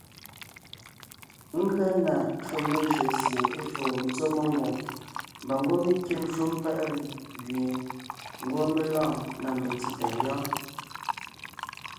Ngʉa na shúm lejÿo sie é foo metsɔ́ mengwòŋ mbà ngwɔ́ mé kîm shúm paʼ “riz” gẅie ngwɔ́ mé lɔɔn na metsí tà ngyɔ́ɔn.